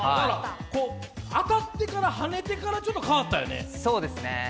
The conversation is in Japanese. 当たってからはねてからちょっと変わったよね。